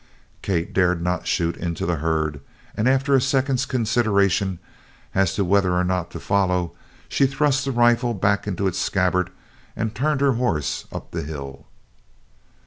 Kate dared not shoot into the herd, and after a second's consideration as to whether or not to follow, she thrust the rifle back in its scabbard and turned her horse up the hill.